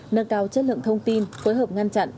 nâng cao chất lượng thông tin phối hợp ngăn chặn